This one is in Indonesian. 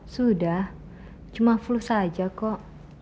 sudah cuma flus saja kok